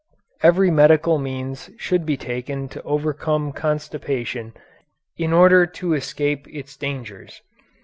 Every medical means should be taken to overcome constipation in order to escape its dangers.